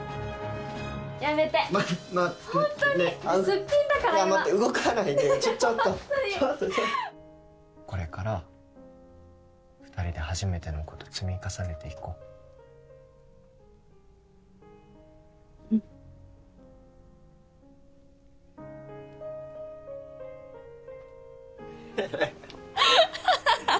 やめてホントにすっぴんだから今待って動かないでちょっとこれから二人で初めてのこと積み重ねていこううんアハハハハハハ！